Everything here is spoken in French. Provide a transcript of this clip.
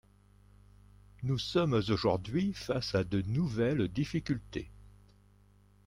Nous sommes aujourd’hui face à de nouvelles difficultés.